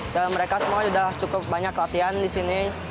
dan mereka semua sudah cukup banyak latihan di sini